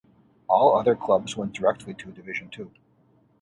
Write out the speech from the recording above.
All other clubs went directly to Division Two.